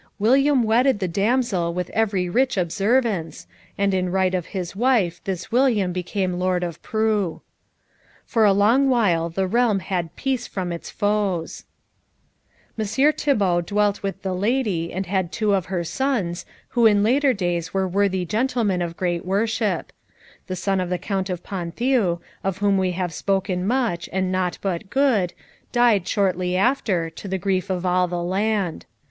William wedded the damsel with every rich observance, and in right of his wife this William became Lord of Preaux. For a long while the realm had peace from its foes. Messire Thibault dwelt with the lady, and had of her two sons, who in later days were worthy gentlemen of great worship. The son of the Count of Ponthieu, of whom we have spoken much and naught but good, died shortly after, to the grief of all the land.